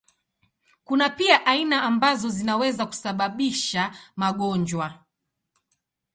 Kuna pia aina ambazo zinaweza kusababisha magonjwa.